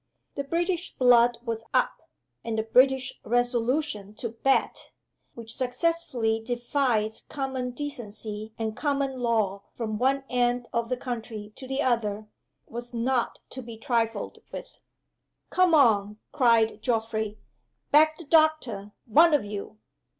The British blood was up; and the British resolution to bet, which successfully defies common decency and common law from one end of the country to the other, was not to be trifled with. "Come on!" cried Geoffrey. "Back the doctor, one of you!"